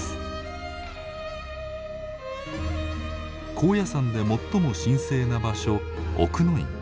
高野山で最も神聖な場所奥之院。